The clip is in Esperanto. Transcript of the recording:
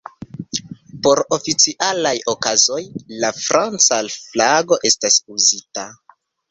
Por oficialaj okazoj, la franca flago estas uzita.